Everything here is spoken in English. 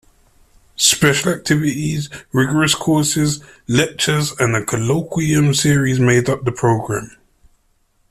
Special activities, rigorous courses, lectures and a colloquium series made up the program.